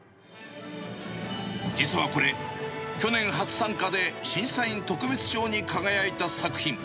実はこれ、去年初参加で、審査員特別賞に輝いた作品。